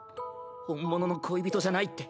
本物の恋人じゃないって